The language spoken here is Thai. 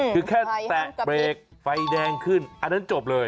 คือแค่แตะเบรกไฟแดงขึ้นอันนั้นจบเลย